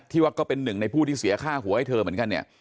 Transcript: ว่าก็เป็นหนึ่งในผู้ที่เสียค่าหัวให้เธอเหมือนกันเนี่ย